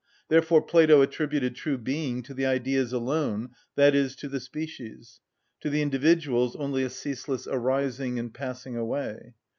Therefore Plato attributed true being to the Ideas alone, i.e., to the species; to the individuals only a ceaseless arising and passing away.